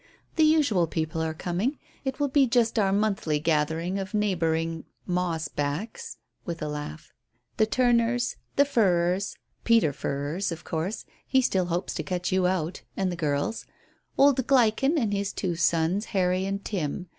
"The usual people are coming. It will be just our monthly gathering of neighbouring moss backs," with a laugh. "The Turners, the Furrers Peter Furrers, of course; he still hopes to cut you out and the girls; old Gleichen and his two sons, Harry and Tim.